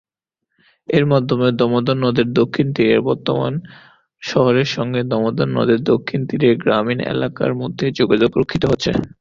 এর মাধ্যমে দামোদর নদের উত্তর তীরের বর্ধমান শহরের সঙ্গে দামোদর নদের দক্ষিণ তীরের গ্রামীণ এলাকার মধ্যে যোগাযোগ রক্ষিত হচ্ছে।